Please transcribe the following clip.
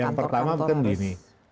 yang pertama mungkin begini